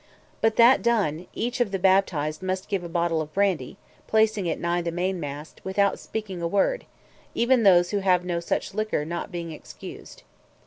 But that done, each of the baptized must give a bottle of brandy, placing it nigh the main mast, without speaking a word; even those who have no such liquor not being excused.